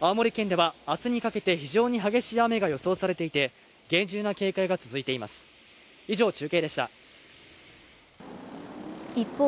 青森県ではあすにかけて非常に激しい雨が予想されていて厳重な警戒が続いています以上中継でした一方